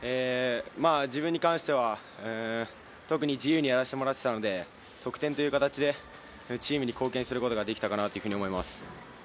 自分に関しては特に自由にやらせてもらっていたので、得点という形でチームに貢献することができたかなと思います。